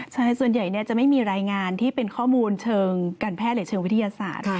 ใช่ส่วนใหญ่จะไม่มีรายงานที่เป็นข้อมูลเชิงการแพทย์หรือเชิงวิทยาศาสตร์